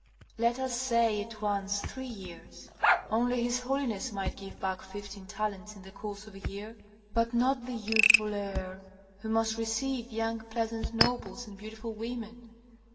"Let us say at once three years. Only his holiness might give back fifteen talents in the course of a year, but not the youthful heir, who must receive young pleasant nobles and beautiful women.